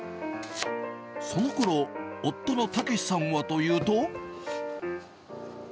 そのころ、夫の武さんはというと。